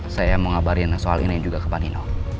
saya mau ngabarin soal ini juga ke panino